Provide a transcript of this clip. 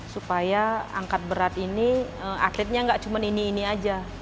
supaya angkat berat ini atletnya tidak hanya ini ini saja